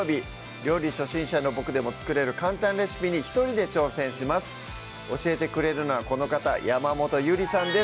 料理初心者のボクでも作れる簡単レシピに一人で挑戦します教えてくれるのはこの方山本ゆりさんです